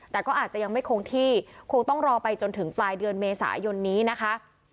แต่ก็อาจจะยังไม่คงที่คงต้องรอไปจนถึงปลายเดือนเมษายนนี้นะคะ